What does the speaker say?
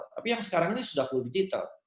tapi yang sekarang ini sudah full digital